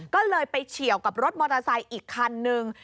ก็เลยไปเฉียวกับรถมอเตอร์ไซค์อีกคันนึง